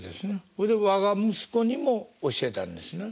それで我が息子にも教えたんですね？